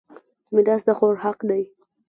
میراث د خور حق دی.